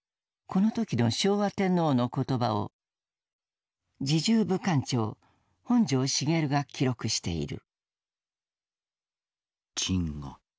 この時の昭和天皇の言葉を侍従武官長本庄繁が記録している。